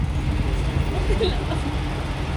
La consigna que utiliza "la Tendencia" es "Luche y vuelve".